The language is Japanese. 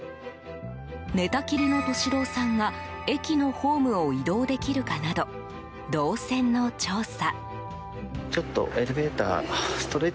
寝たきりの利郎さんが駅のホームを移動できるかなど動線の調査。